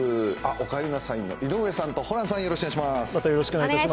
おかえりなさい、井上さんとホランさん、よろしくお願いします